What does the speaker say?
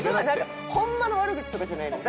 ホンマの悪口とかじゃないのよ。